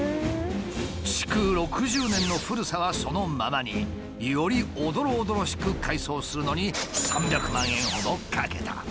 築６０年の古さはそのままによりおどろおどろしく改装するのに３００万円ほどかけた。